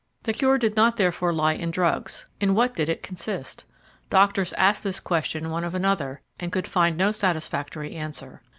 The cure did not therefore lie in drugs. In what did it consist? Doctors asked this question one of another, and could find no satisfactory answer.